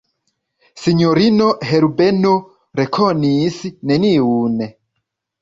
Sinjorino Herbeno rekonis neniun.